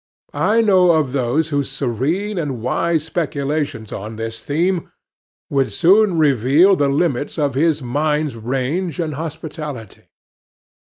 I know of those whose serene and wise speculations on this theme would soon reveal the limits of his mind's range and hospitality.